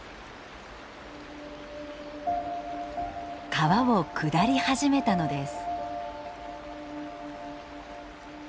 川を下り始めたのです。